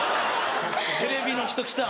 テレビの人来た。